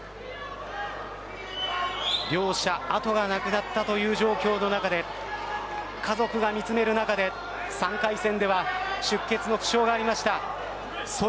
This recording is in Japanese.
両者後がなくなった状況の中で家族が見つめる中で、３回戦では出血の負傷がありました橋本。